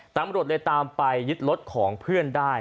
ตำรวจเลยตามไปยึดรถของเพื่อนได้